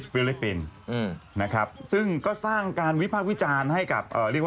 ฝรั่งเองต่างชาติมากมายทั่วโลก